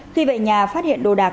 khi vậy nhà phát hiện đồ đạc